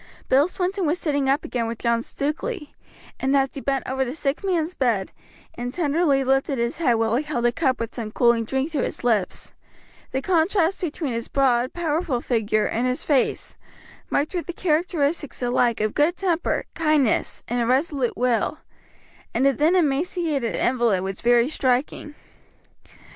Bill Swinton was sitting up again with John Stukeley, and as he bent over the sick man's bed and tenderly lifted his head while he held a cup with some cooling drink to his lips, the contrast between his broad, powerful figure, and his face, marked with the characteristics alike of good temper, kindness, and a resolute will, and the thin, emaciated invalid was very striking.